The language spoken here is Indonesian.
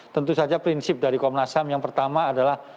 tentu saja prinsip dari komnas ham yang pertama adalah